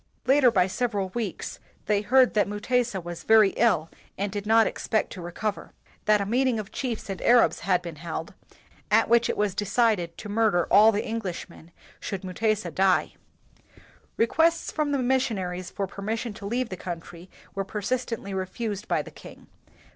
Later by several weeks, they heard 105 WHITE MAN OF WORK that Mutesa was very ill and did not expect to recover; that a meeting of chiefs and Arabs had been held, at which it was de cided to murder all the Englishmen, should Mutesa die. Requests from the missionaries for per mission to leave the country were persist ently refused by the king.